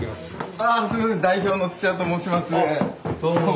あどうも。